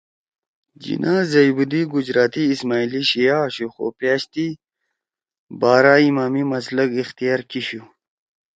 جناح زئیبَدی گجراتی اسماعیلی شیعہ آشُو خُو پأش تی بارا اِمامی مسلک اختیار کیِشُو